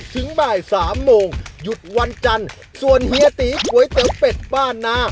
ถึงบ่ายสามโมงหยุดวันจันทร์ส่วนเฮียตีก๋วยเตี๋ยวเป็ดบ้านนา